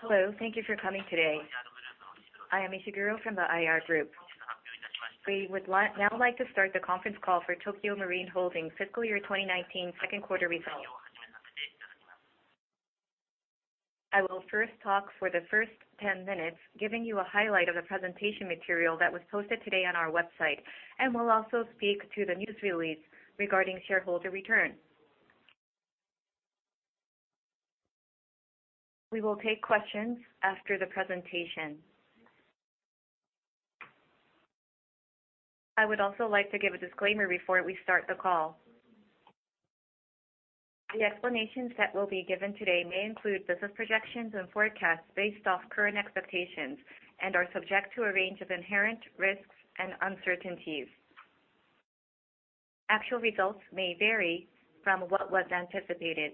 Hello. Thank you for coming today. I am Ishiguro from the IR group. We would now like to start the conference call for Tokio Marine Holdings fiscal year 2019 second quarter results. I will first talk for the first 10 minutes, giving you a highlight of the presentation material that was posted today on our website, and will also speak to the news release regarding shareholder return. We will take questions after the presentation. I would also like to give a disclaimer before we start the call. The explanations that will be given today may include business projections and forecasts based off current expectations and are subject to a range of inherent risks and uncertainties. Actual results may vary from what was anticipated.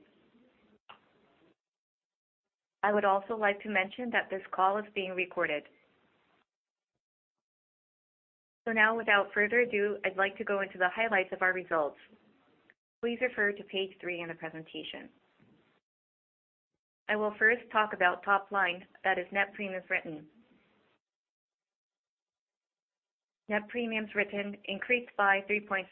I would also like to mention that this call is being recorded. Now, without further ado, I'd like to go into the highlights of our results. Please refer to page three in the presentation. I will first talk about top line, that is net premiums written. Net premiums written increased by 3.7%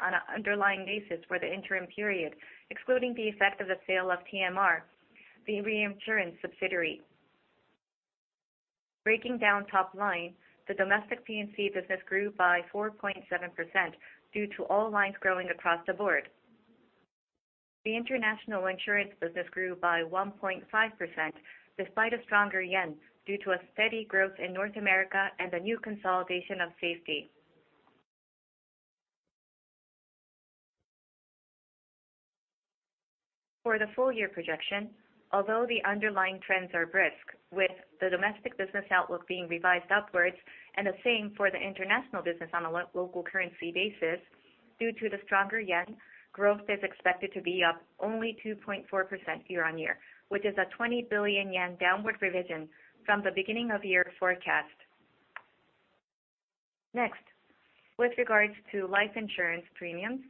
on an underlying basis for the interim period, excluding the effect of the sale of TMR, the reinsurance subsidiary. Breaking down top line, the domestic P&C business grew by 4.7% due to all lines growing across the board. The international insurance business grew by 1.5%, despite a stronger yen, due to a steady growth in North America and a new consolidation of Safety National. For the full-year projection, although the underlying trends are brisk, with the domestic business outlook being revised upwards and the same for the international business on a local currency basis, due to the stronger yen, growth is expected to be up only 2.4% year on year, which is a 20 billion yen downward revision from the beginning of year forecast. Next, with regards to life insurance premiums,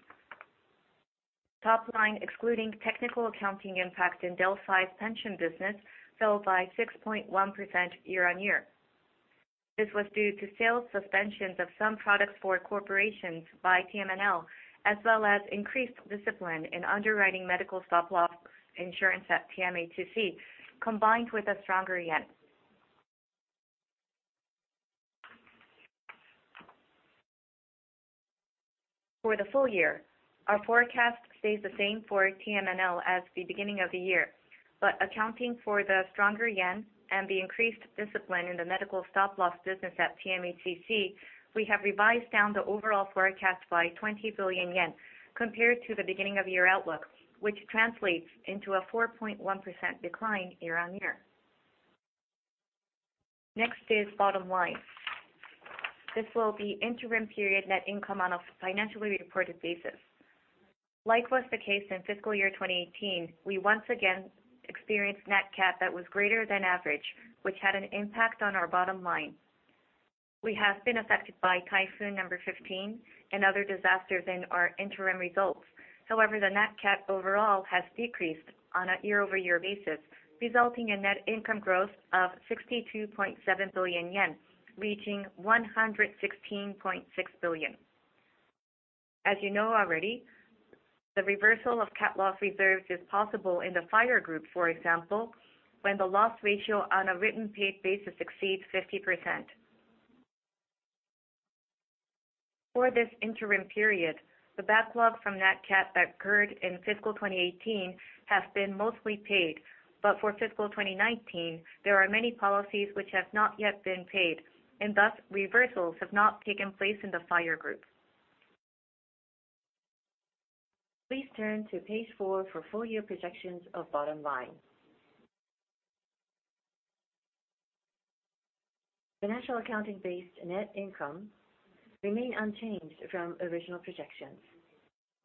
top line excluding technical accounting impact in Dell 5 pension business fell by 6.1% year on year. This was due to sales suspensions of some products for corporations by TMNL, as well as increased discipline in underwriting medical stop-loss insurance at TMAIC, combined with a stronger yen. For the full year, our forecast stays the same for TMNL as the beginning of the year, but accounting for the stronger yen and the increased discipline in the medical stop-loss business at TMAIC, we have revised down the overall forecast by 20 billion yen compared to the beginning of year outlook, which translates into a 4.1% decline year on year. Next is bottom line. This will be interim period net income on a financially reported basis. Like was the case in fiscal year 2018, we once again experienced net CAT that was greater than average, which had an impact on our bottom line. We have been affected by Typhoon number 15 and other disasters in our interim results. However, the net CAT overall has decreased on a year-over-year basis, resulting in net income growth of 62.7 billion yen, reaching 116.6 billion. As you know already, the reversal of CAT loss reserves is possible in the fire group, for example, when the loss ratio on a written paid basis exceeds 50%. For this interim period, the backlog from net CAT that occurred in fiscal 2018 has been mostly paid. For fiscal 2019, there are many policies which have not yet been paid, and thus, reversals have not taken place in the fire group. Please turn to page four for full-year projections of bottom line. Financial accounting-based net income remain unchanged from original projections.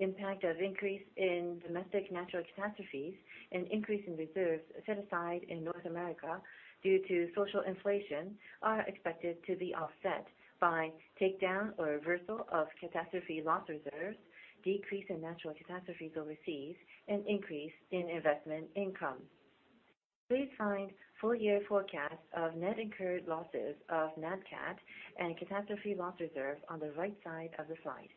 Impact of increase in domestic natural catastrophes and increase in reserves set aside in North America due to social inflation are expected to be offset by takedown or reversal of catastrophe loss reserves, decrease in natural catastrophes overseas, and increase in investment income. Please find full-year forecasts of net incurred losses of net CAT and catastrophe loss reserve on the right side of the slide.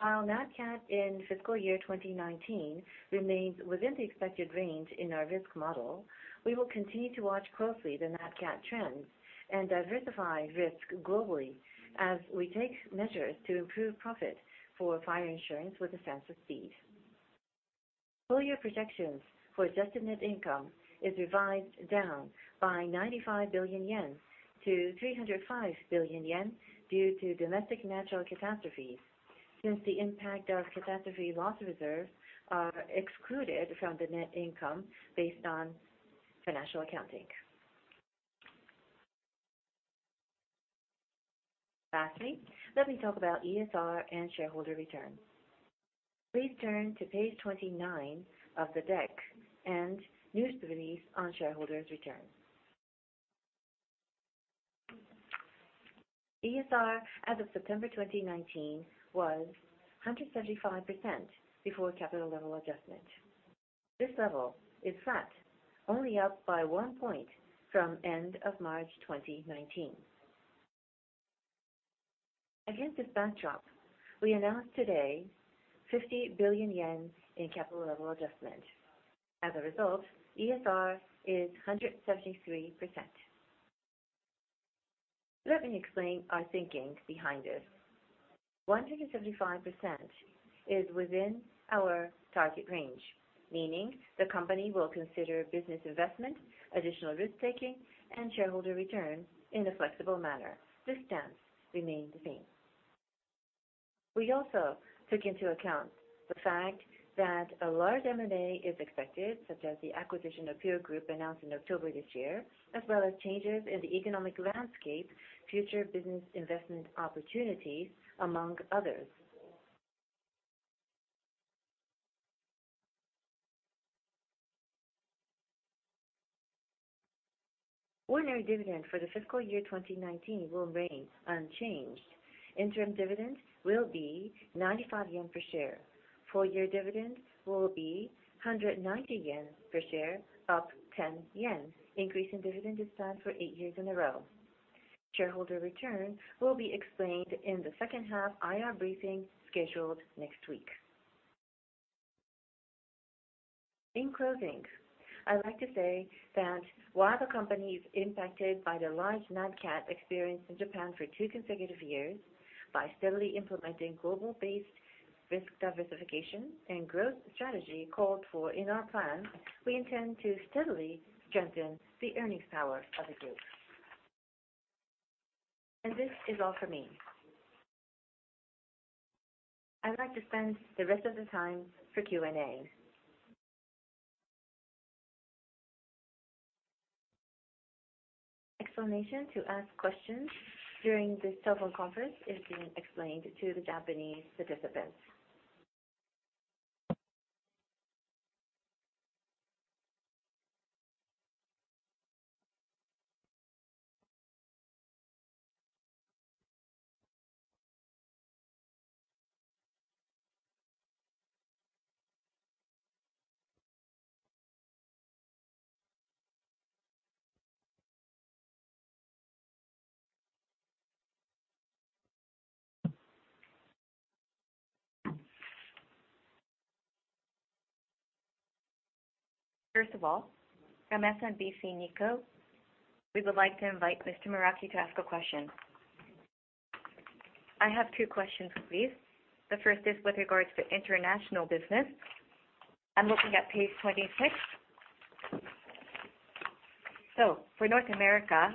While net CAT in fiscal year 2019 remains within the expected range in our risk model, we will continue to watch closely the net CAT trends and diversify risk globally as we take measures to improve profit for fire insurance with a sense of speed. Full-year projections for adjusted net income is revised down by 95 billion yen to 305 billion yen due to domestic natural catastrophes, since the impact of catastrophe loss reserves are excluded from the net income based on financial accounting. Lastly, let me talk about ESR and shareholder return. Please turn to page 29 of the deck and news release on shareholders return. ESR as of September 2019 was 175% before capital level adjustment. This level is flat, only up by one point from end of March 2019. Against this backdrop, we announce today 50 billion yen in capital level adjustment. As a result, ESR is 173%. Let me explain our thinking behind this. 175% is within our target range, meaning the company will consider business investment, additional risk-taking, and shareholder return in a flexible manner. This stance remains the same. We also took into account the fact that a large M&A is expected, such as the acquisition of Pure Group announced in October this year, as well as changes in the economic landscape, future business investment opportunities, among others. Ordinary dividend for the fiscal year 2019 will remain unchanged. Interim dividends will be 95 yen per share. Full-year dividends will be 190 yen per share, up 10 yen, increasing dividend for eight years in a row. Shareholder return will be explained in the second half IR briefing scheduled next week. In closing, I'd like to say that while the company is impacted by the large nat cat experience in Japan for two consecutive years, by steadily implementing global-based risk diversification and growth strategy called for in our plan, we intend to steadily strengthen the earnings power of the group. This is all for me. I'd like to spend the rest of the time for Q&A. Explanation to ask questions during this telephone conference is being explained to the Japanese participants. First of all, from SMBC Nikko, we would like to invite Mr. Muraki to ask a question. I have two questions, please. The first is with regards to international business. I'm looking at page 26. For North America,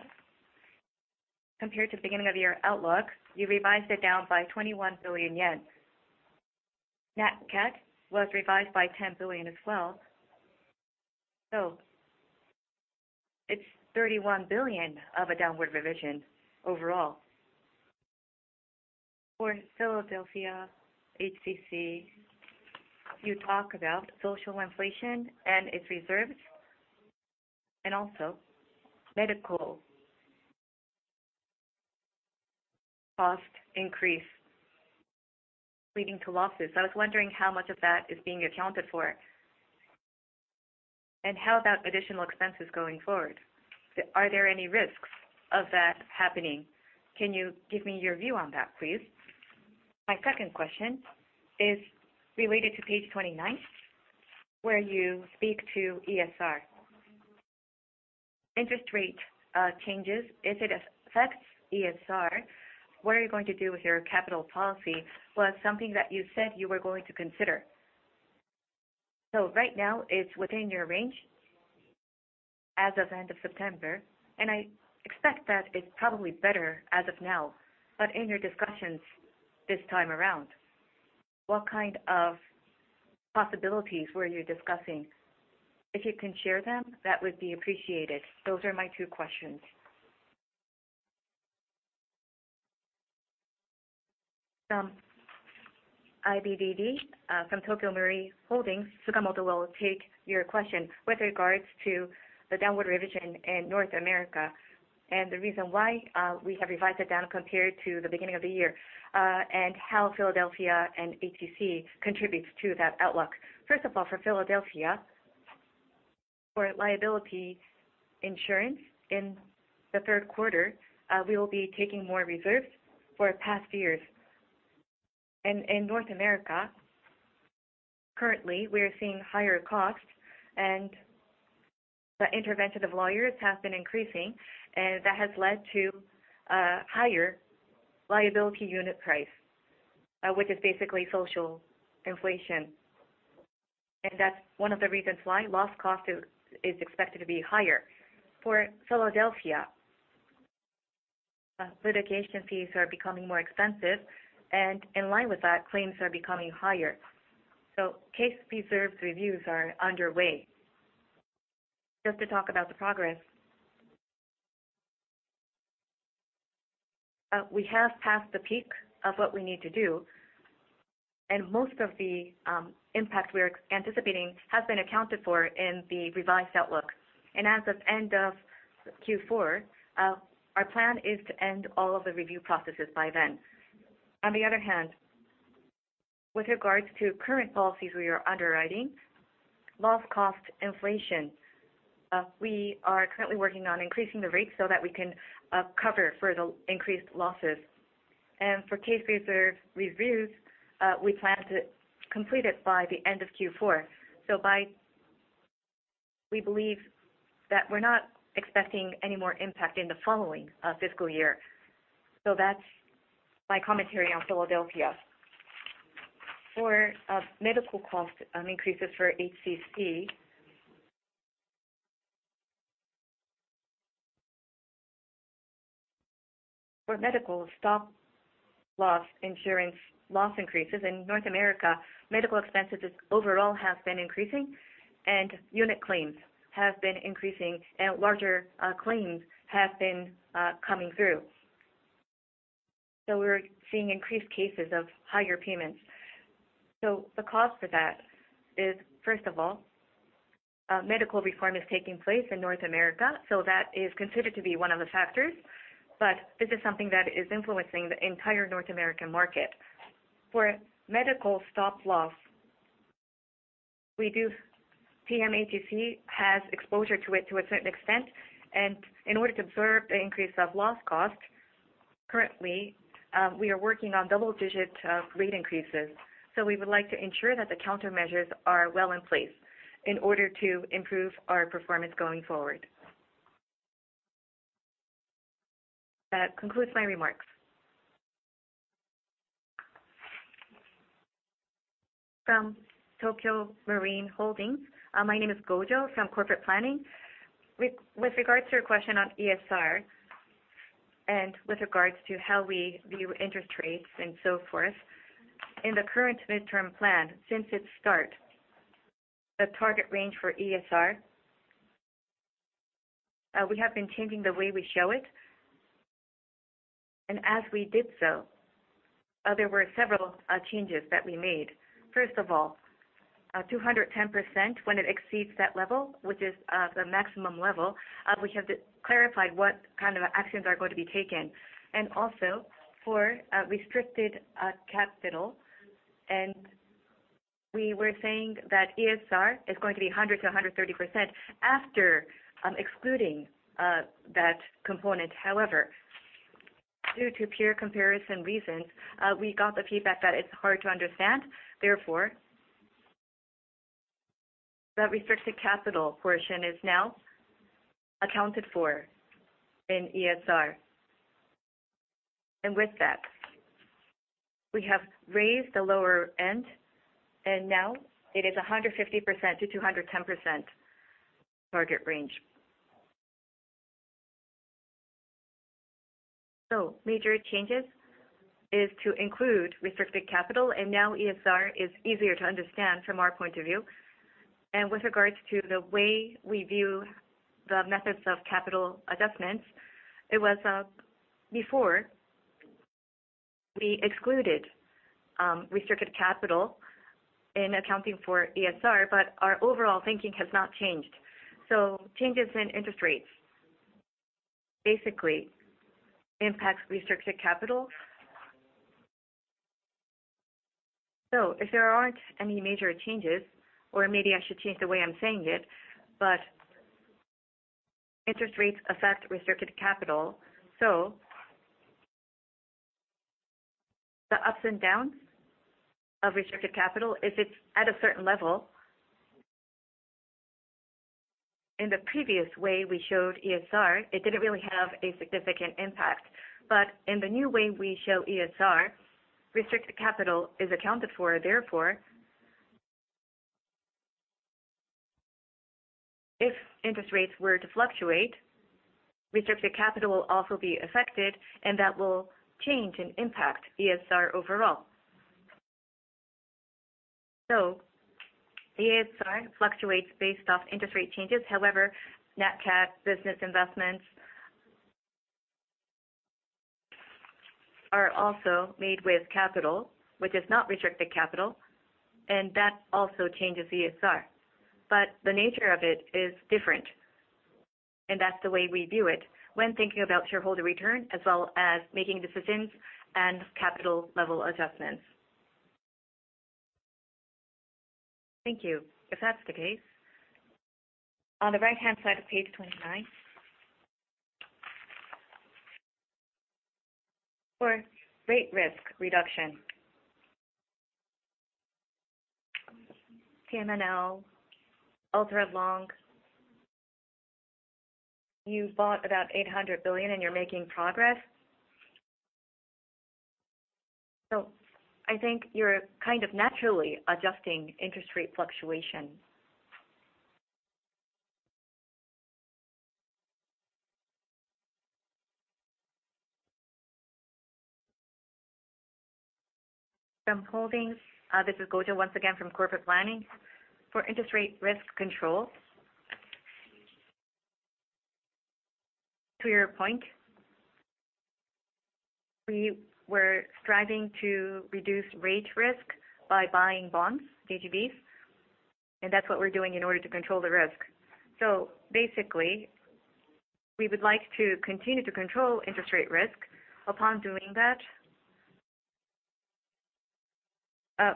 compared to the beginning of year outlook, you revised it down by 21 billion yen. Nat cat was revised by 10 billion as well. It's 31 billion of a downward revision overall. For Philadelphia HCC, you talk about social inflation and its reserves, and also medical cost increase leading to losses. I was wondering how much of that is being accounted for, and how that additional expense is going forward. Are there any risks of that happening? Can you give me your view on that, please? My second question is related to page 29, where you speak to ESR. Interest rate changes, if it affects ESR, what are you going to do with your capital policy was something that you said you were going to consider. Right now, it's within your range as of end of September, and I expect that it's probably better as of now. In your discussions this time around, what kind of possibilities were you discussing? If you can share them, that would be appreciated. Those are my two questions. From IBDD, from Tokio Marine Holdings, Tsukamoto will take your question. With regards to the downward revision in North America and the reason why we have revised it down compared to the beginning of the year, and how Philadelphia and HCC contributes to that outlook. First of all, for Philadelphia, for liability insurance in the third quarter, we will be taking more reserves for past years. In North America, currently, we are seeing higher costs and the intervention of lawyers has been increasing, and that has led to higher liability unit price, which is basically social inflation. That's one of the reasons why loss cost is expected to be higher. For Philadelphia, litigation fees are becoming more expensive, in line with that, claims are becoming higher. Case reserve reviews are underway. Just to talk about the progress, we have passed the peak of what we need to do. Most of the impact we are anticipating has been accounted for in the revised outlook. As of end of Q4, our plan is to end all of the review processes by then. On the other hand, with regards to current policies we are underwriting, loss cost inflation. We are currently working on increasing the rates so that we can cover for the increased losses. For case reserve reviews, we plan to complete it by the end of Q4. We believe that we are not expecting any more impact in the following fiscal year. That is my commentary on Philadelphia. For medical cost increases for Tokio Marine HCC. For medical stop-loss insurance loss increases in North America, medical expenses overall have been increasing, and unit claims have been increasing and larger claims have been coming through. We are seeing increased cases of higher payments. The cause for that is, first of all, medical reform is taking place in North America, so that is considered to be one of the factors, but this is something that is influencing the entire North American market. For medical stop-loss, PMAG has exposure to it to a certain extent, and in order to absorb the increase of loss cost, currently, we are working on double-digit rate increases. We would like to ensure that the countermeasures are well in place in order to improve our performance going forward. That concludes my remarks. From Tokio Marine Holdings, my name is Gojo from Corporate Planning. With regards to your question on ESR and with regards to how we view interest rates and so forth. In the current midterm plan, since its start, the target range for ESR, we have been changing the way we show it. As we did so, there were several changes that we made. First of all, 210%, when it exceeds that level, which is the maximum level, we have clarified what kind of actions are going to be taken. Also for restricted capital, and we were saying that ESR is going to be 100%-130% after excluding that component. However, due to peer comparison reasons, we got the feedback that it is hard to understand. Therefore, the restricted capital portion is now accounted for in ESR. With that, we have raised the lower end, and now it is 150%-210% target range. Major changes is to include restricted capital, and now ESR is easier to understand from our point of view. With regards to the way we view the methods of capital adjustments, it was before we excluded restricted capital in accounting for ESR, but our overall thinking has not changed. Changes in interest rates basically impact restricted capital. If there are not any major changes, or maybe I should change the way I am saying it, but interest rates affect restricted capital. The ups and downs of restricted capital, if it is at a certain level, in the previous way we showed ESR, it did not really have a significant impact. But in the new way we show ESR, restricted capital is accounted for. Therefore, if interest rates were to fluctuate, restricted capital will also be affected, and that will change and impact ESR overall. The ESR fluctuates based off interest rate changes. However, net cash business investments are also made with capital, which is not restricted capital, and that also changes ESR. But the nature of it is different, and that's the way we view it when thinking about shareholder return, as well as making decisions and capital level adjustments. Thank you. If that's the case, on the right-hand side of page 29. For rate risk reduction. TMNL, ultra-long, you bought about 800 billion and you're making progress. I think you're kind of naturally adjusting interest rate fluctuation. From Holdings, this is Gojo once again from Corporate Planning. For interest rate risk control, to your point, we were striving to reduce rate risk by buying bonds, JGBs, and that's what we're doing in order to control the risk. Basically, we would like to continue to control interest rate risk. Upon doing that,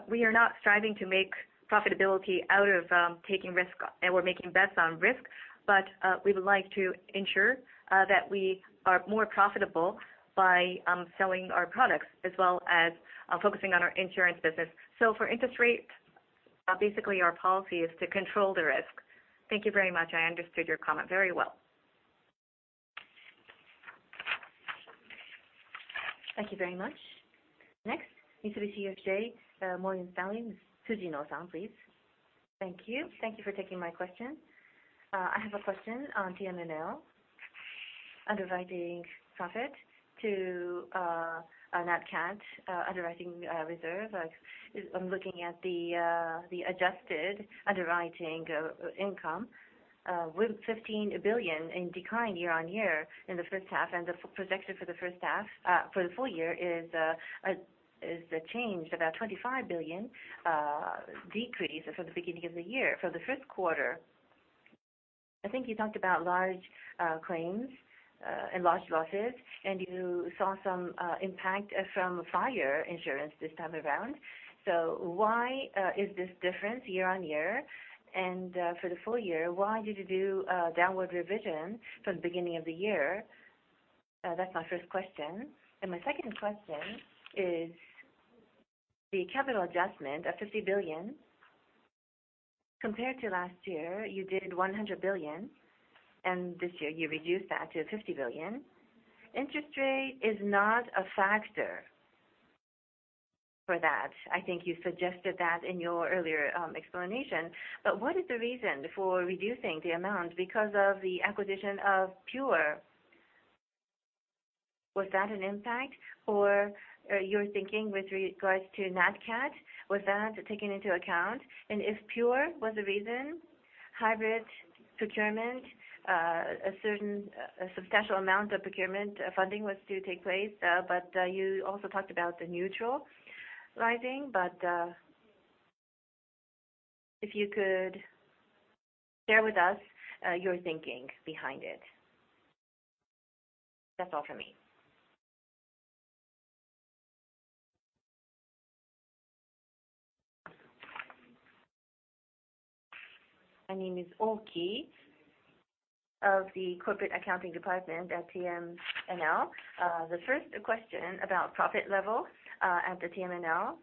we are not striving to make profitability out of taking risk, and we're making bets on risk, but we would like to ensure that we are more profitable by selling our products as well as focusing on our insurance business. For interest rate, basically our policy is to control the risk. Thank you very much. I understood your comment very well. Thank you very much. Next, Mitsubishi UFJ Morgan Stanley, Tsujino-san, please. Thank you. Thank you for taking my question. I have a question on TMNL underwriting profit to nat cat underwriting reserve. I'm looking at the adjusted underwriting income with 15 billion in decline year-over-year in the first half, and the projection for the full year is a change, about 25 billion decrease from the beginning of the year. For the first quarter, I think you talked about large claims and large losses, and you saw some impact from fire insurance this time around. Why is this different year-over-year? For the full year, why did you do a downward revision from the beginning of the year? That's my first question. My second question is the capital adjustment of 50 billion. Compared to last year, you did 100 billion, and this year you reduced that to 50 billion. Interest rate is not a factor for that. I think you suggested that in your earlier explanation. What is the reason for reducing the amount because of the acquisition of Pure? Was that an impact, or your thinking with regards to nat cat, was that taken into account? If Pure was the reason, hybrid procurement, a substantial amount of procurement funding was to take place. You also talked about the neutral rising, but if you could share with us your thinking behind it. That's all for me. My name is Oki of the Corporate Accounting Department at TMNL. The first question about profit level at the TMNF.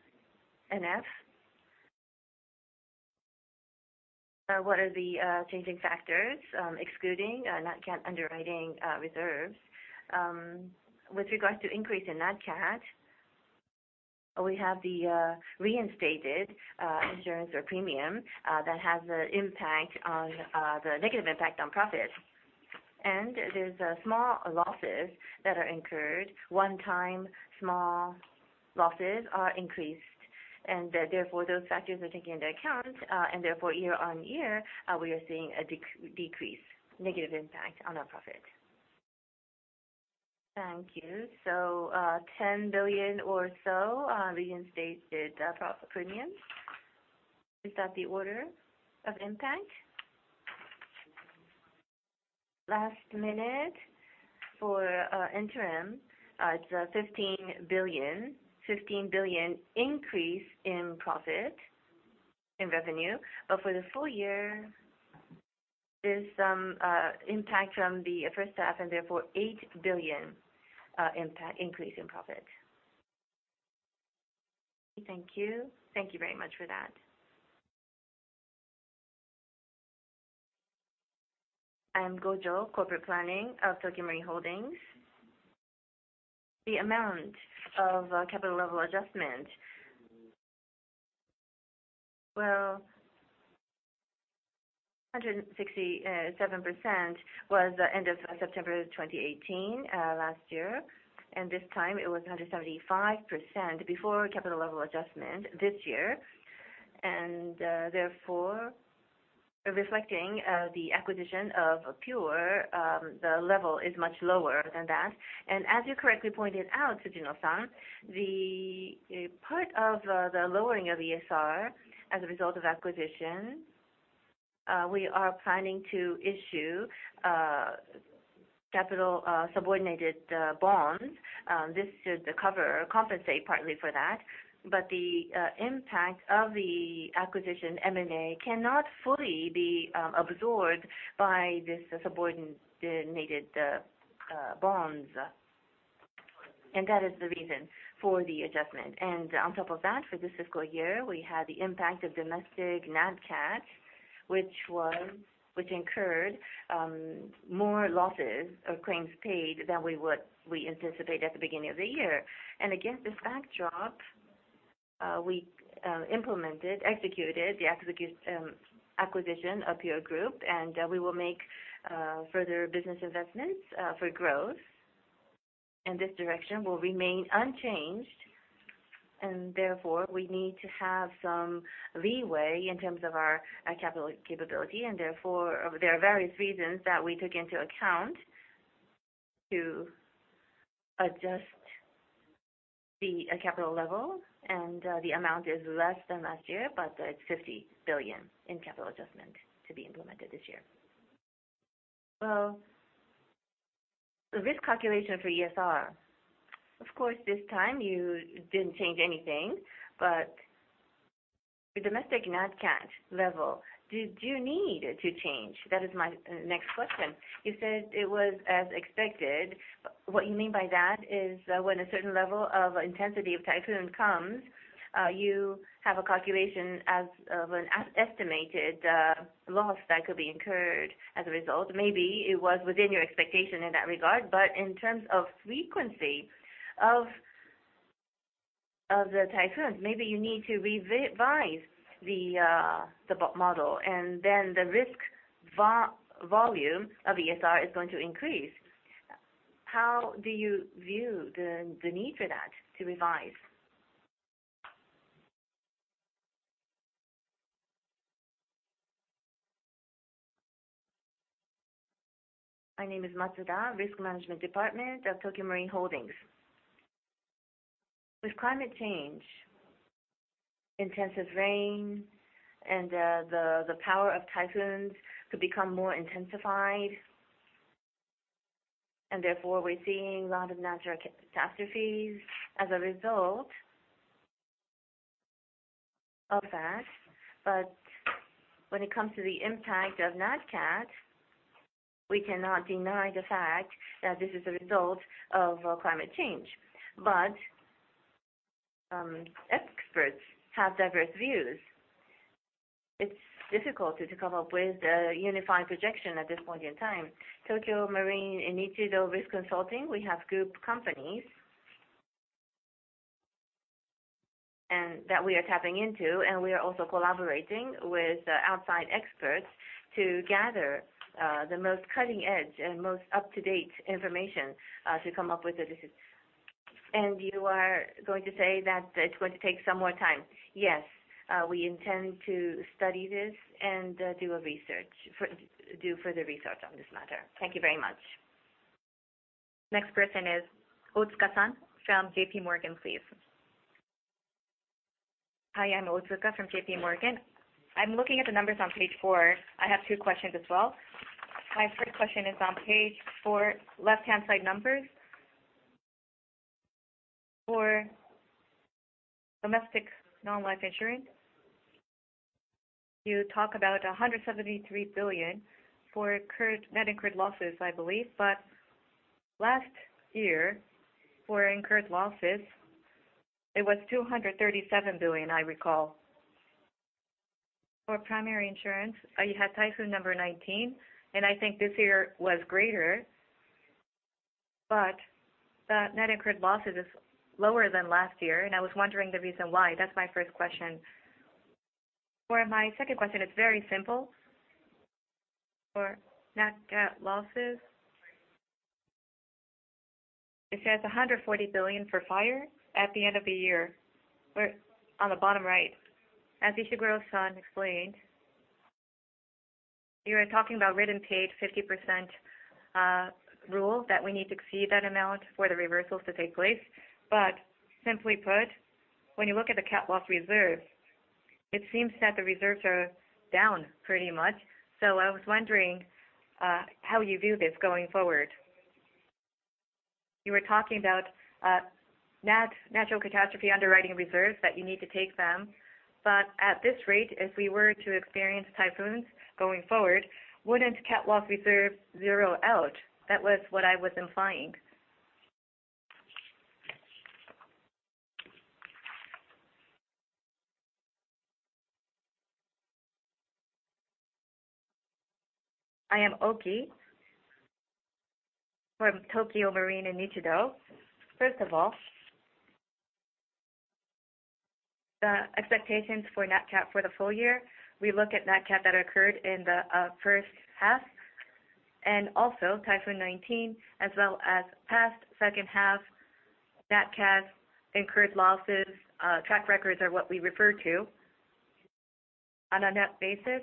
What are the changing factors, excluding nat cat underwriting reserves? With regards to increase in nat cat, we have the reinstated insurance or premium that has a negative impact on profit. There's small losses that are incurred. One time, small losses are increased, therefore those factors are taken into account, therefore year-on-year, we are seeing a decrease, negative impact on our profit. Thank you. 10 billion or so reinstated premium. Is that the order of impact? Last minute for interim, it's a 15 billion increase in profit in revenue. For the full year, there's some impact from the first half, therefore 8 billion increase in profit. Thank you. Thank you very much for that. I am Gojo, Corporate Planning of Tokio Marine Holdings. The amount of capital level adjustment, 167% was end of September 2018, last year, this time it was 175% before capital level adjustment this year. Therefore, reflecting the acquisition of Pure, the level is much lower than that. As you correctly pointed out, Tsujino-san, the part of the lowering of ESR as a result of acquisition, we are planning to issue capital subordinated bonds. This should compensate partly for that. The impact of the acquisition, M&A, cannot fully be absorbed by this subordinated bonds. That is the reason for the adjustment. On top of that, for this fiscal year, we had the impact of domestic nat cat, which incurred more losses or claims paid than we anticipated at the beginning of the year. Against this backdrop, we implemented, executed the acquisition of Pure Group, and we will make further business investments for growth. This direction will remain unchanged, and therefore, we need to have some leeway in terms of our capital capability, and therefore, there are various reasons that we took into account to adjust the capital level. The amount is less than last year, but it's 50 billion in capital adjustment to be implemented this year. Well, the risk calculation for ESR, of course, this time you didn't change anything, but your domestic nat cat level, did you need to change? That is my next question. You said it was as expected. What you mean by that is when a certain level of intensity of typhoon comes, you have a calculation as of an estimated loss that could be incurred as a result. Maybe it was within your expectation in that regard, but in terms of frequency of the typhoons, maybe you need to revise the model, and then the risk volume of ESR is going to increase. How do you view the need for that, to revise? My name is Matsuda, Risk Management Department of Tokio Marine Holdings. With climate change, intensive rain, and the power of typhoons could become more intensified. Therefore, we're seeing a lot of natural catastrophes as a result of that. But when it comes to the impact of nat cat, we cannot deny the fact that this is a result of climate change. But experts have diverse views. It's difficult to come up with a unified projection at this point in time. Tokio Marine & Nichido Risk Consulting, we have group companies that we are tapping into, and we are also collaborating with outside experts to gather the most cutting-edge and most up-to-date information to come up with the decisions. You are going to say that it's going to take some more time. Yes. We intend to study this and do further research on this matter. Thank you very much. Next person is Otsuka-san from JP Morgan, please. Hi, I'm Otsuka from JP Morgan. I'm looking at the numbers on page four. I have two questions as well. My first question is on page four, left-hand side numbers. For domestic non-life insurance, you talk about 173 billion for net incurred losses, I believe. But last year, for incurred losses, it was 237 billion, I recall. For primary insurance, you had Typhoon No. 19, and I think this year was greater, but the net incurred losses is lower than last year, and I was wondering the reason why. That's my first question. For my second question, it's very simple. For nat cat losses, it says 140 billion for fire at the end of the year on the bottom right. As Ishiguro-san explained, you were talking about written paid 50% rule, that we need to exceed that amount for the reversals to take place. Simply put, when you look at the catastrophe loss reserve, it seems that the reserves are down pretty much. I was wondering how you view this going forward. You were talking about natural catastrophe underwriting reserves, that you need to take them. At this rate, if we were to experience typhoons going forward, wouldn't catastrophe loss reserve zero out? That was what I was implying. I am Oki from Tokio Marine & Nichido. First of all, the expectations for nat cat for the full year, we look at nat cat that occurred in the first half, and also Typhoon No. 19, as well as past second half nat cat incurred losses. Track records are what we refer to. On a net basis,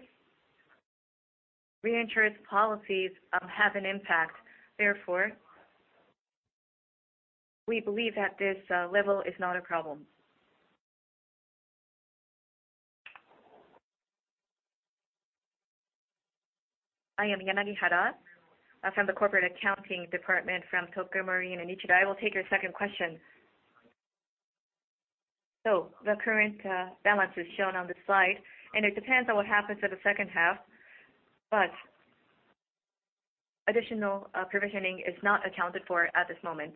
reinsurance policies have an impact. We believe that this level is not a problem. I am Yanagihara from the Corporate Accounting Department from Tokio Marine & Nichido. I will take your second question. The current balance is shown on the slide, and it depends on what happens for the second half, but additional provisioning is not accounted for at this moment.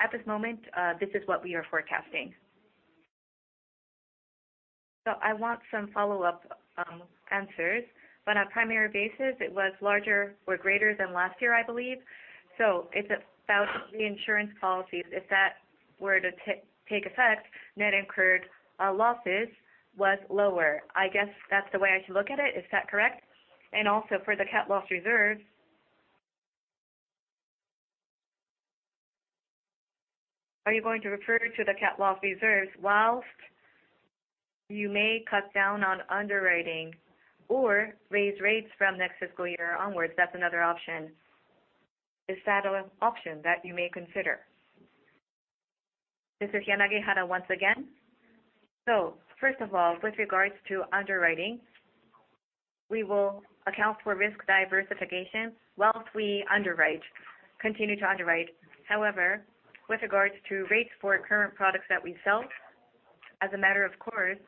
At this moment, this is what we are forecasting. I want some follow-up answers. On a primary basis, it was larger or greater than last year, I believe. If it's about reinsurance policies, if that were to take effect, net incurred losses was lower. I guess that's the way I should look at it. Is that correct? Also for the catastrophe loss reserve, are you going to refer to the catastrophe loss reserves whilst you may cut down on underwriting or raise rates from next fiscal year onwards? That's another option. Is that an option that you may consider? This is Yanagihara once again. First of all, with regards to underwriting, we will account for risk diversification whilst we underwrite, continue to underwrite. With regards to rates for current products that we sell, as a matter of course,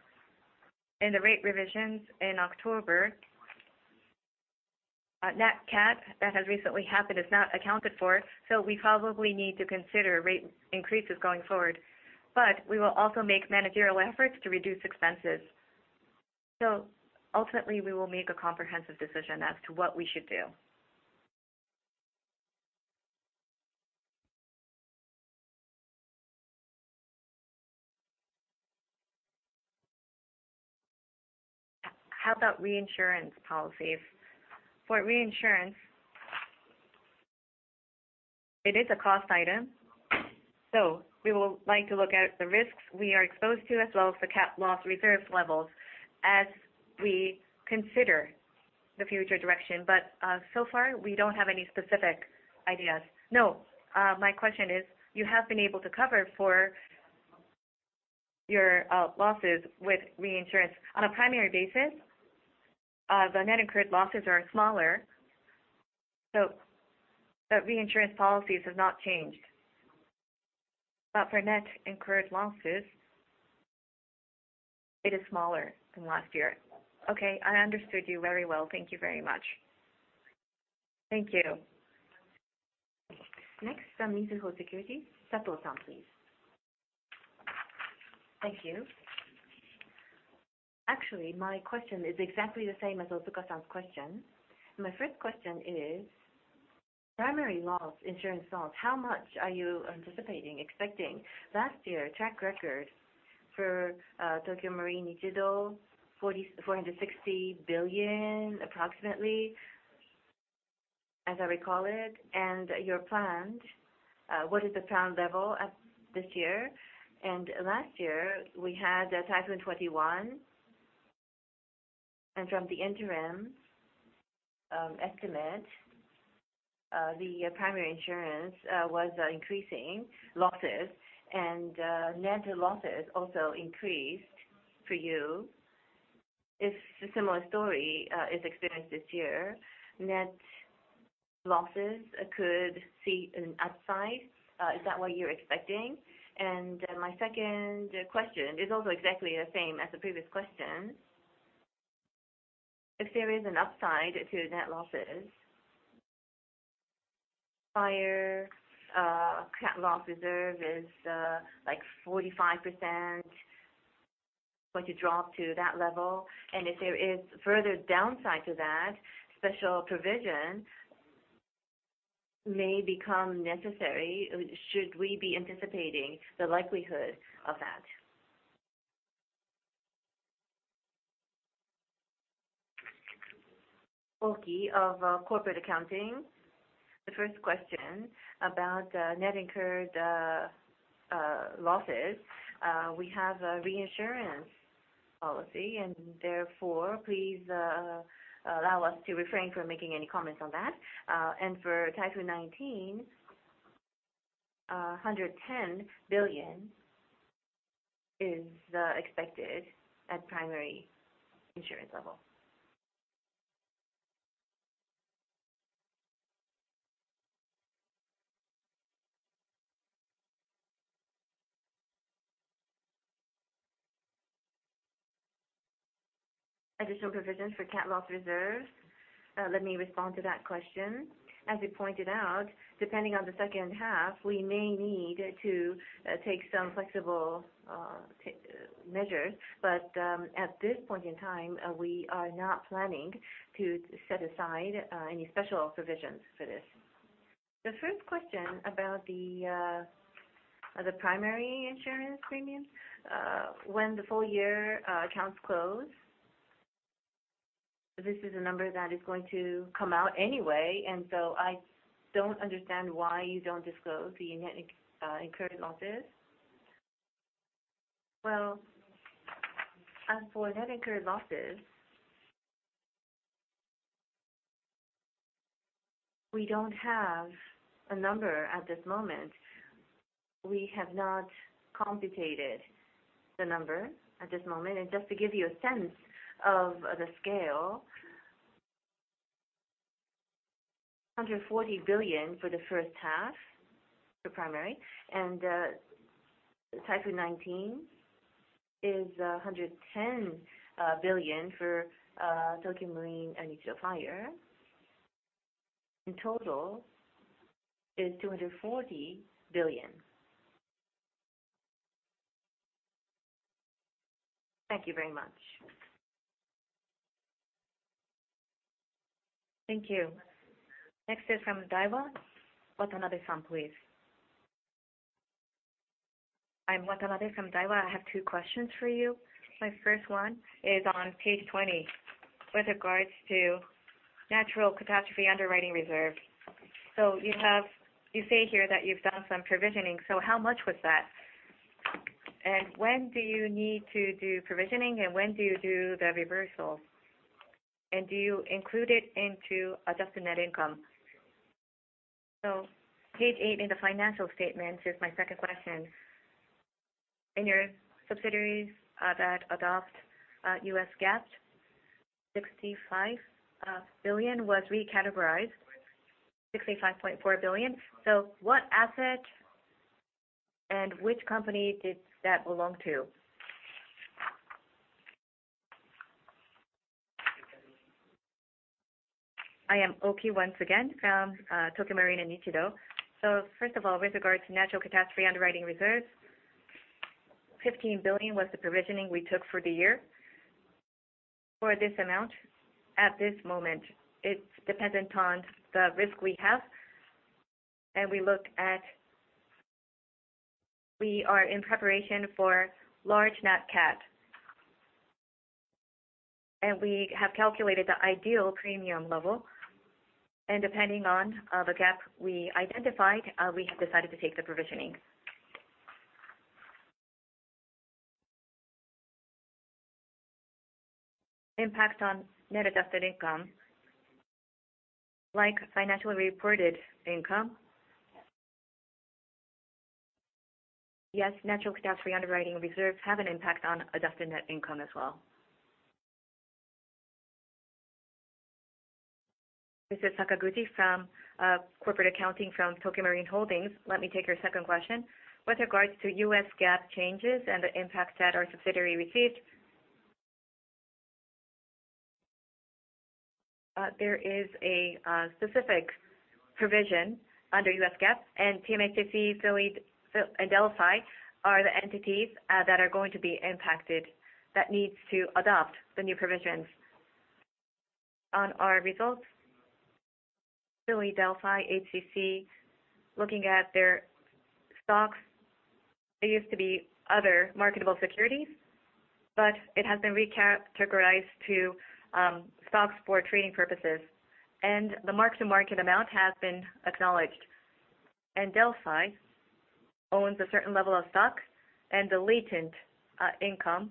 in the rate revisions in October, nat cat that has recently happened is not accounted for. We probably need to consider rate increases going forward. We will also make managerial efforts to reduce expenses. Ultimately, we will make a comprehensive decision as to what we should do. How about reinsurance policies? For reinsurance, it is a cost item, so we will like to look at the risks we are exposed to as well as the catastrophe loss reserve levels as we consider the future direction. So far, we don't have any specific ideas. No. My question is, you have been able to cover for your losses with reinsurance on a primary basis. The net incurred losses are smaller, the reinsurance policies have not changed. For net incurred losses, it is smaller than last year. Okay. I understood you very well. Thank you very much. Thank you. Next from Mizuho Securities, Sato-san, please. Thank you. Actually, my question is exactly the same as Wataru-san's question. My first question is primary loss, insurance loss. How much are you anticipating? Last year, track record for Tokio Marine & Nichido, 460 billion approximately, as I recall it, and your planned. What is the planned level at this year? Last year, we had Typhoon Jebi. From the interim estimate, the primary insurance was increasing losses and net losses also increased for you. If a similar story is experienced this year, net losses could see an upside. Is that what you're expecting? My second question is also exactly the same as the previous question. If there is an upside to net losses, prior catastrophe loss reserve is like 45%, going to drop to that level. If there is further downside to that, special provision may become necessary. Should we be anticipating the likelihood of that? Oki of Corporate Accounting. The first question about net incurred losses. We have a reinsurance policy, therefore, please allow us to refrain from making any comments on that. For Typhoon 19, JPY 110 billion is expected at primary insurance level. Additional provisions for cat loss reserves. Let me respond to that question. As you pointed out, depending on the second half, we may need to take some flexible measures. At this point in time, we are not planning to set aside any special provisions for this. The first question about the primary insurance premiums. When the full year accounts close, this is a number that is going to come out anyway, I don't understand why you don't disclose the net incurred losses. Well, as for net incurred losses, we don't have a number at this moment. We have not computed the number at this moment. Just to give you a sense of the scale, 140 billion for the first half for primary and Typhoon 19 is 110 billion for Tokio Marine & Nichido Fire. In total is JPY 240 billion. Thank you very much. Thank you. Next is from Daiwa. Watanabe-san, please. I'm Watanabe from Daiwa. I have two questions for you. My first one is on page 20 with regards to natural catastrophe underwriting reserve. You say here that you've done some provisioning. How much was that? When do you need to do provisioning, and when do you do the reversal? Do you include it into adjusted net income? Page eight in the financial statement is my second question. In your subsidiaries that adopt US GAAP, 65 billion was recategorized, 65.4 billion. What asset and which company did that belong to? I am Oki once again from Tokio Marine & Nichido. First of all, with regards to natural catastrophe underwriting reserves, 15 billion was the provisioning we took for the year. For this amount, at this moment, it's dependent on the risk we have. We are in preparation for large nat cat. We have calculated the ideal premium level, and depending on the gap we identified, we have decided to take the provisioning. Impact on net adjusted income, like financially reported income. Yes, natural catastrophe underwriting reserves have an impact on adjusted net income as well. This is Sakaguchi from Corporate Accounting from Tokio Marine Holdings. Let me take your second question. With regards to US GAAP changes and the impact that our subsidiary received, there is a specific provision under US GAAP and TMAIC, Philly and Delphi are the entities that are going to be impacted that needs to adopt the new provisions. On our results, Philly, Delphi, TMAIC, looking at their stocks, they used to be other marketable securities, but it has been recategorized to stocks for trading purposes, and the mark-to-market amount has been acknowledged. Delphi owns a certain level of stocks, and the latent income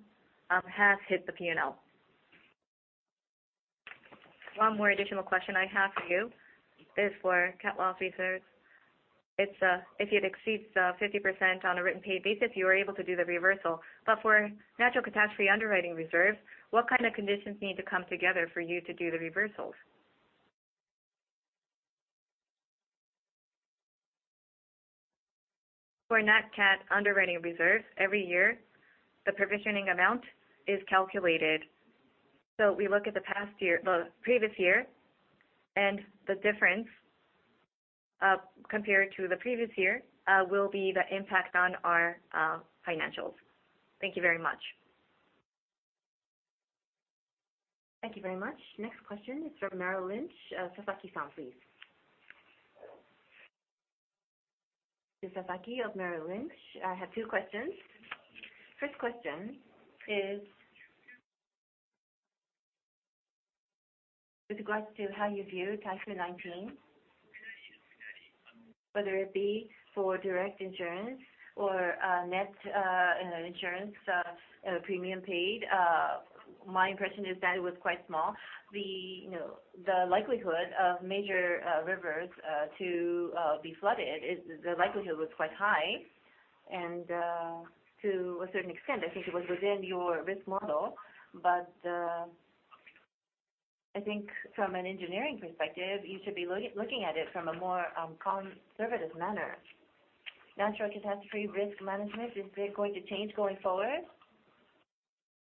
has hit the P&L. One more additional question I have for you is for cat loss reserves. If it exceeds 50% on a written paid basis, you are able to do the reversal. For natural catastrophe underwriting reserves, what kind of conditions need to come together for you to do the reversals? For nat cat underwriting reserves, every year the provisioning amount is calculated. We look at the previous year and the difference compared to the previous year will be the impact on our financials. Thank you very much. Thank you very much. Next question is from Merrill Lynch. Sasaki San, please. This is Sasaki of Merrill Lynch. I have two questions. First question is with regards to how you view Typhoon 19, whether it be for direct insurance or net insurance premium paid. My impression is that it was quite small. The likelihood of major rivers to be flooded, the likelihood was quite high, and to a certain extent, I think it was within your risk model. I think from an engineering perspective, you should be looking at it from a more conservative manner. Natural catastrophe risk management, is it going to change going forward?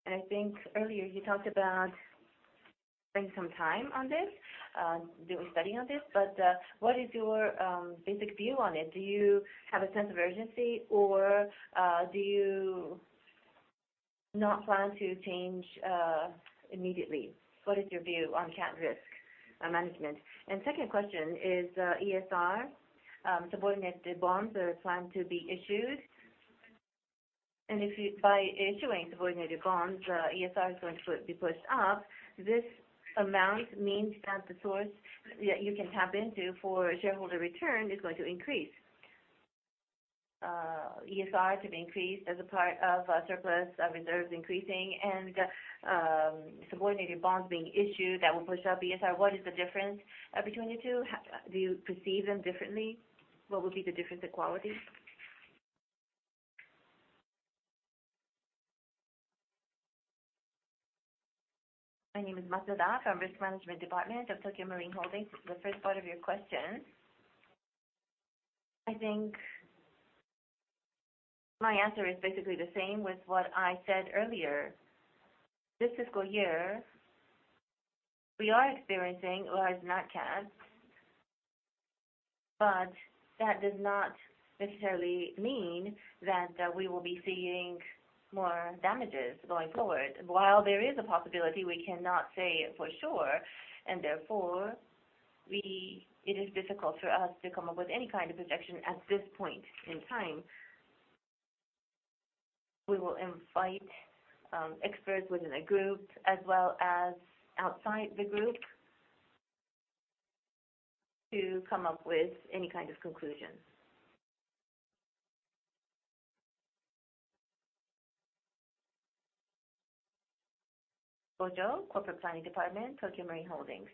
I think earlier you talked about spending some time on this, doing study on this, but what is your basic view on it? Do you have a sense of urgency or do you not plan to change immediately? What is your view on cat risk management? Second question is ESR subordinated bonds are planned to be issued, and if by issuing subordinated bonds, ESR is going to be pushed up. This amount means that the source you can tap into for shareholder return is going to increase. ESR to be increased as a part of surplus reserves increasing and subordinated bonds being issued that will push up ESR. What is the difference between the two? Do you perceive them differently? What will be the different quality? My name is Masuda from Risk Management Department of Tokio Marine Holdings. The first part of your question, I think my answer is basically the same with what I said earlier. This fiscal year, we are experiencing large nat cat, that does not necessarily mean that we will be seeing more damages going forward. While there is a possibility, we cannot say it for sure, therefore It is difficult for us to come up with any kind of projection at this point in time. We will invite experts within the group as well as outside the group to come up with any kind of conclusion. Bojo, Corporate Planning Department, Tokio Marine Holdings.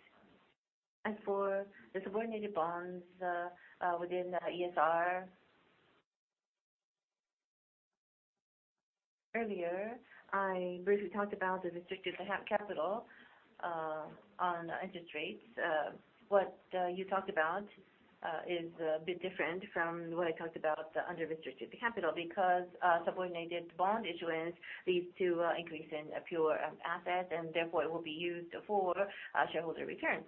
As for the subordinated bonds within ESR. Earlier, I briefly talked about the restricted capital on interest rates. What you talked about is a bit different from what I talked about under restricted capital, because subordinated bond issuance leads to increase in pure assets, and therefore it will be used for shareholder returns.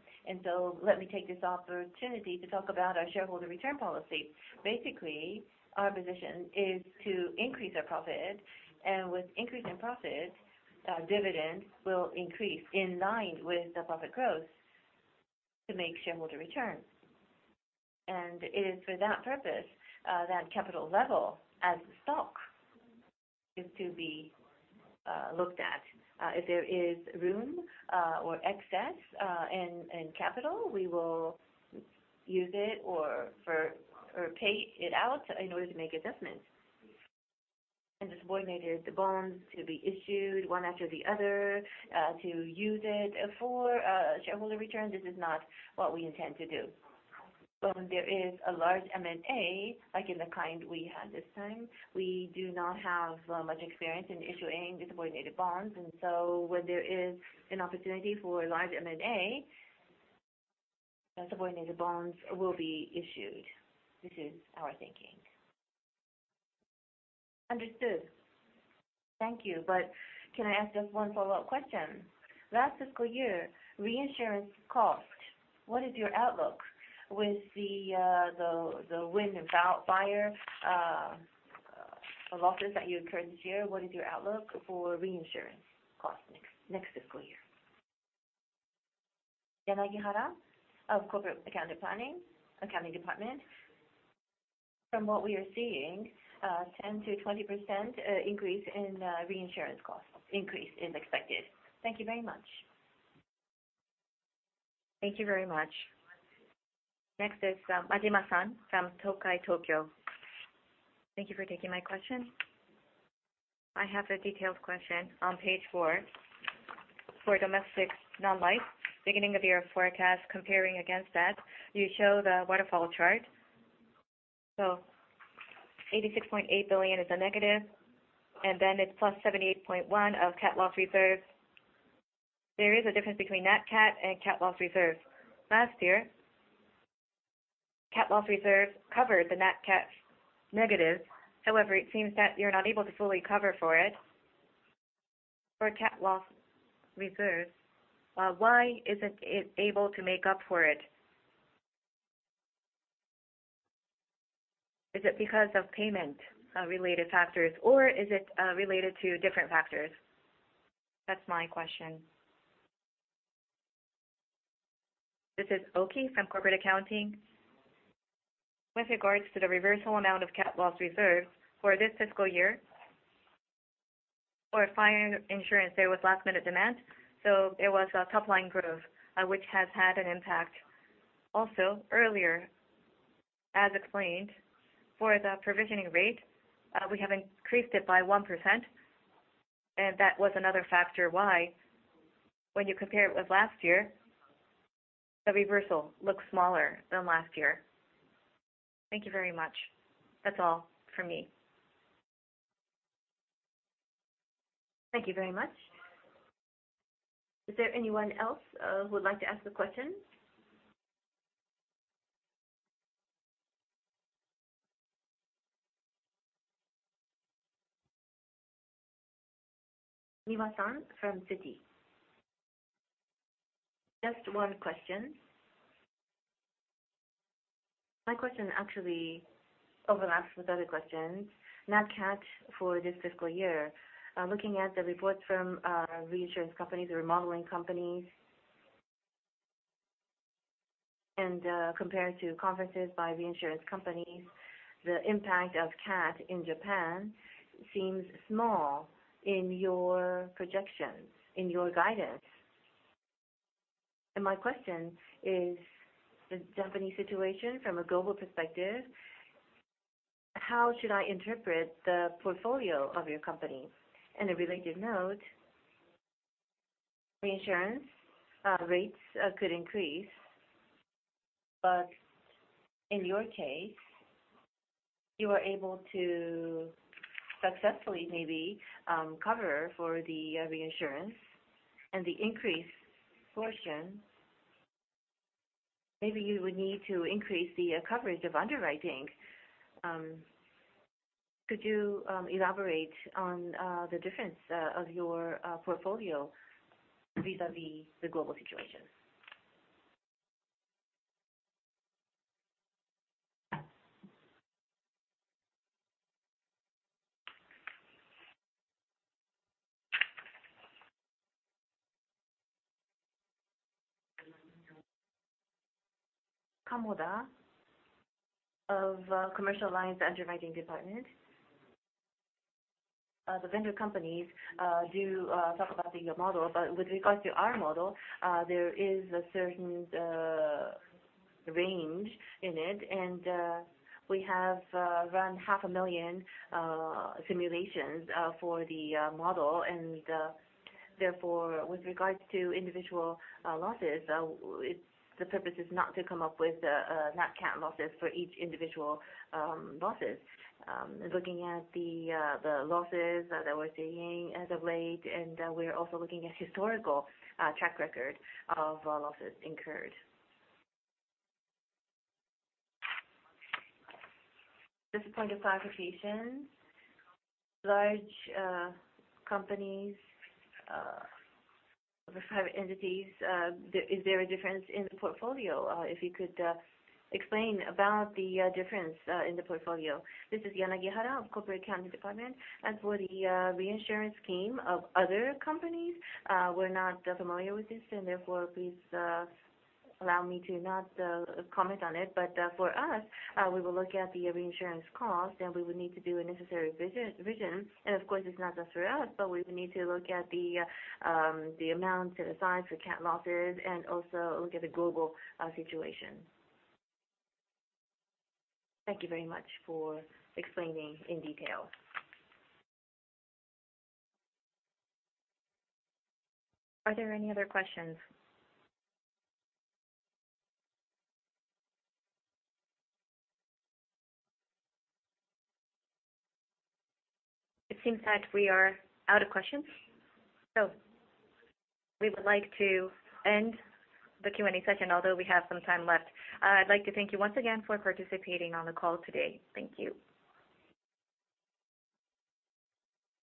Let me take this opportunity to talk about our shareholder return policy. Basically, our position is to increase our profit, and with increase in profit, dividends will increase in line with the profit growth to make shareholder returns. It is for that purpose, that capital level as a stock is to be looked at. If there is room or excess in capital, we will use it or pay it out in order to make adjustments. Subordinated bonds to be issued one after the other to use it for shareholder returns, this is not what we intend to do. When there is a large M&A, like in the kind we had this time, we do not have much experience in issuing subordinated bonds. When there is an opportunity for a large M&A, subordinated bonds will be issued. This is our thinking. Understood. Thank you. Can I ask just one follow-up question? Last fiscal year, reinsurance cost, what is your outlook with the wind and fire losses that you incurred this year? What is your outlook for reinsurance cost next fiscal year? Yanagihara of Corporate Accounting Planning, Accounting Department. From what we are seeing, 10%-20% increase in reinsurance cost increase is expected. Thank you very much. Thank you very much. Next is Majima-san from Tokai Tokyo. Thank you for taking my question. I have a detailed question. On page four, for domestic non-life, beginning of year forecast, comparing against that, you show the waterfall chart. 86.8 billion is a negative, then it is plus 78.1 of catastrophe loss reserve. There is a difference between net cat and catastrophe loss reserve. Last year, catastrophe loss reserve covered the net cat negative. It seems that you are not able to fully cover for it for catastrophe loss reserve. Why is not it able to make up for it? Is it because of payment-related factors, or is it related to different factors? That is my question. This is Oki from Corporate Accounting. With regards to the reversal amount of catastrophe loss reserve for this fiscal year, for fire insurance, there was last-minute demand, so there was a top-line growth, which has had an impact. Also, earlier, as explained, for the provisioning rate, we have increased it by 1%, and that was another factor why when you compare it with last year, the reversal looks smaller than last year. Thank you very much. That's all from me. Thank you very much. Is there anyone else who would like to ask a question? Miwa-san from Citi. Just one question. My question actually overlaps with other questions. Net cat for this fiscal year. Looking at the reports from reinsurance companies or modeling companies, compared to conferences by reinsurance companies, the impact of cat in Japan seems small in your projections, in your guidance. My question is the Japanese situation from a global perspective, how should I interpret the portfolio of your company? In a related note, reinsurance rates could increase, but in your case, you are able to successfully maybe cover for the reinsurance and the increased portion. Maybe you would need to increase the coverage of underwriting. Could you elaborate on the difference of your portfolio vis-a-vis the global situation? Kamoda of Commercial Alliance Underwriting Department. The vendor companies do talk about the model, but with regards to our model, there is a certain range in it. We have run half a million simulations for the model, and therefore, with regards to individual losses, the purpose is not to come up with not cat losses for each individual losses. Looking at the losses that we're seeing as of late, and we're also looking at historical track record of losses incurred. This is point of clarification. Large companies, private entities, is there a difference in the portfolio? If you could explain about the difference in the portfolio. This is Yanagihara of Corporate Accounting Department. As for the reinsurance scheme of other companies, we're not familiar with this. Therefore, please allow me to not comment on it. For us, we will look at the reinsurance cost. We would need to do a necessary revision. Of course, it's not just for us, but we would need to look at the amounts set aside for cat losses and also look at the global situation. Thank you very much for explaining in detail. Are there any other questions? It seems that we are out of questions. We would like to end the Q&A session, although we have some time left. I'd like to thank you once again for participating on the call today. Thank you.